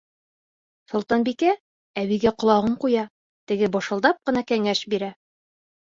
Солтанбикә әбейгә ҡолағын ҡуя, теге бышылдап ҡына кәңәш бирә.